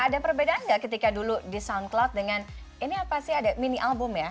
ada perbedaan nggak ketika dulu di soundcloud dengan ini apa sih ada mini album ya